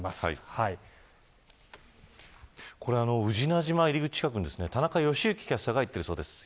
宇品島入り口近くに田中良幸キャスターが行っているそうです。